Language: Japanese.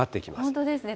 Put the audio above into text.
本当ですね。